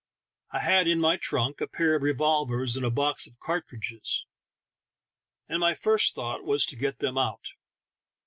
I had in my trunk a pair of revolvers and a box of car tridges, and my first thought was to get them out.